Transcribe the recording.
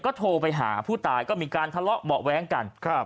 ก็โทรไปหาผู้ตายก็มีการทะเลาะเบาะแว้งกันครับ